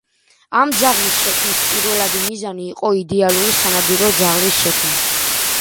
ამ ძაღლის შექმნის პირველადი მიზანი იყო იდეალური სანადირო ძაღლის შექმნა.